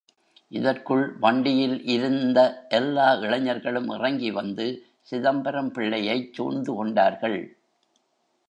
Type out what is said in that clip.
இதற்குள் வண்டியில் இருந்த எல்லா இளைஞர்களும் இறங்கி வந்து சிதம்பரம் பிள்ளையைச் சூழ்ந்து கொண்டார்கள்.